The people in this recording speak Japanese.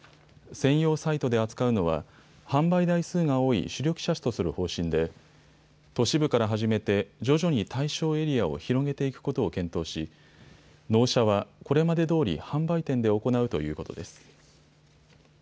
専用サイトで扱うのは販売台数が多い主力車種とする方針で都市部から始めて徐々に対象エリアを広げていくことを検討し納車はこれまでどおり販売店で行うということです。